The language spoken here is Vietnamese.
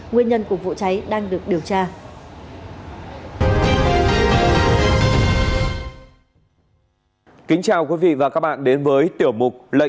nguyên nhân của vụ cháy đang được điều tra